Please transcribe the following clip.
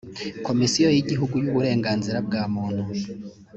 komisiyo y’igihugu y’uburenganzira bwa muntu